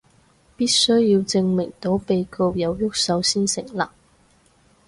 必須要證明到被告有郁手先成立